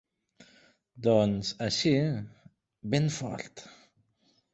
-Doncs, així… ben fort!